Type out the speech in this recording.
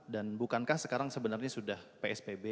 dan bukankah sekarang sebenarnya sudah psbb